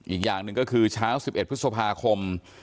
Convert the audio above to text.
อีกอย่างหนึ่งก็คือเช้า๑๑พฤษภาคม